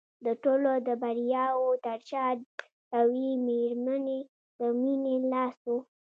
د ټولو د بریاوو تر شا د یوې مېرمنې د مینې لاس و